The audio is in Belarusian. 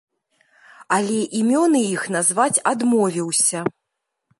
Але імёны іх назваць адмовіўся.